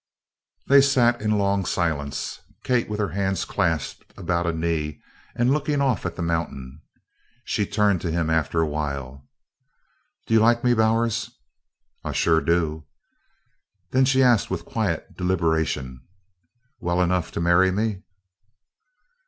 They sat in a long silence, Kate with her hands clasped about a knee and looking off at the mountain. She turned to him after a while: "Do you like me, Bowers?" "I shore do." Then she asked with quiet deliberation: "Well enough to marry me?"